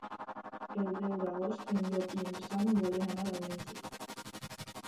El deu d'agost en Llop i en Sam volen anar al metge.